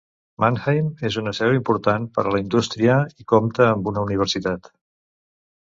Mannheim és una seu important per a la indústria i compta amb una universitat.